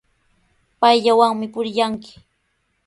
Payllawanmi purillanki.